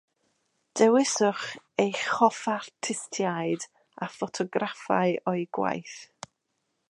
Dewiswch eich hoff artistiaid a ffotograffau o'u gwaith